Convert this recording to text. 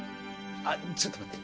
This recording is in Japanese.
あっちょっと待って。